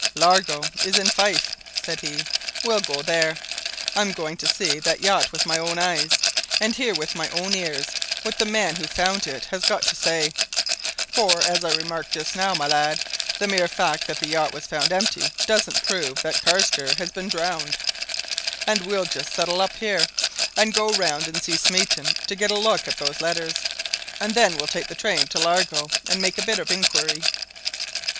"Largo is in Fife," said he. "We'll go there. I'm going to see that yacht with my own eyes, and hear with my own ears what the man who found it has got to say. For, as I remarked just now, my lad, the mere fact that the yacht was found empty doesn't prove that Carstairs has been drowned! And we'll just settle up here, and go round and see Smeaton to get a look at those letters, and then we'll take train to Largo and make a bit of inquiry."